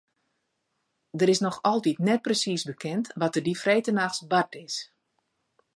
It is noch altyd net presiis bekend wat der dy freedtenachts bard is.